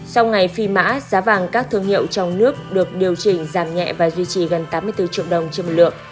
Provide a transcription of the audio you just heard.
sau ngày phi mã giá vàng các thương hiệu trong nước được điều chỉnh giảm nhẹ và duy trì gần tám mươi bốn triệu đồng trên một lượng